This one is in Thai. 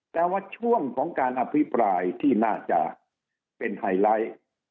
แต่ว่าช่วงของการอภิปรายที่น่าจะเป็นไฮไลท์